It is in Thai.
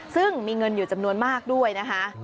ซึ่งมีเงินอยู่จำนวนมากด้วยนะคะ